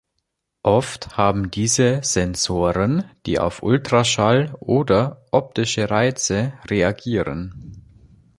Oft haben diese Sensoren, die auf Ultraschall oder optische Reize reagieren.